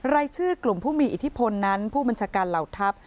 รายชื่อกลุ่มผู้มีอิทธิพลนั้นผู้บัญชาการเหล่าทัพ